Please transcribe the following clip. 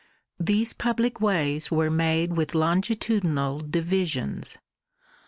These public ways were made with longitudinal divisions.